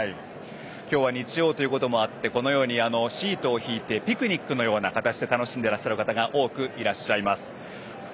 今日は日曜ということもあってシートを敷いてピクニックのような形で楽しんでいらっしゃる方も多くいらっしゃいます。